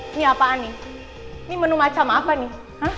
ini apaan nih ini menu macam apa nih